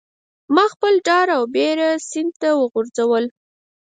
ماخپل ډار او بیره سیند ته وغورځول